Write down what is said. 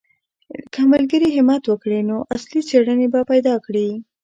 که ملګري همت وکړي نو اصلي څېړنې به پیدا کړي.